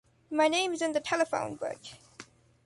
My name is in telephone book